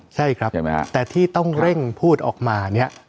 ใช่ครับแต่ที่ต้องเร่งพูดออกมาเนี่ย